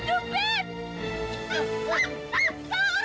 bukan didepetin tas aku mah babak pelor